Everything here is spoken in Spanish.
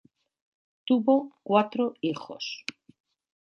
Tuvo cuatro hijos.